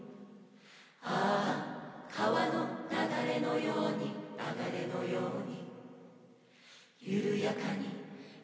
「ああ川の流れのように流れのように」